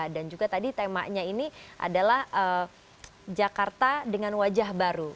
dan juga tadi temanya ini adalah jakarta dengan wajah baru